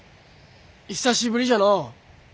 久しぶりじゃのう。